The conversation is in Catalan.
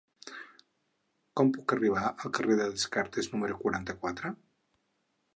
Com puc arribar al carrer de Descartes número quaranta-quatre?